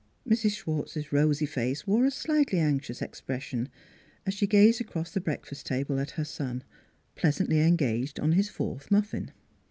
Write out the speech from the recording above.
Mrs. Schwartz's rosy face wore a slightly anx ious expression, as she gazed across the break fast table at her son, pleasantly engaged on his fourth muffin.